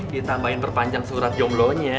ditambahin perpanjang surat jomblo nya